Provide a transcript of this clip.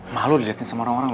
malu diliatin sama orang orang ma